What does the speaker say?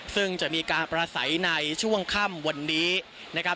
ซึ่งจะมีการประสัยในช่วงค่ำวันนี้นะครับ